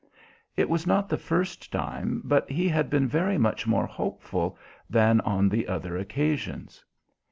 It was not the first time, but he had been very much more hopeful than on the other occasions.